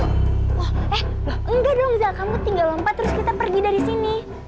wah eh enggak dong zah kamu tinggal lompat terus kita pergi dari sini